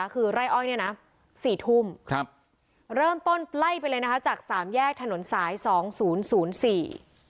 คือไร่อ้อยสี่ทุ่มเริ่มต้นไล่ไปเลยจากสามแยกถนนสายสองศูนย์ศูนย์สี่